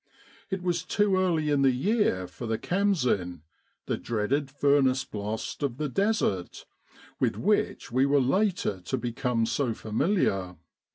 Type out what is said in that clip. It was too early in the year for the Khamsin the dreaded furnace blast of the Desert, with which we were later to be come so familiar.